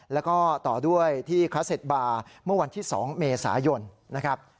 แล้วก็ต่อด้วยที่คัสเซ็ตบาร์เมื่อวันที่๒เมษายนนะครับ